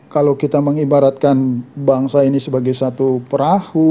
kalau kita mengibaratkan bangsa ini sebagai satu perahu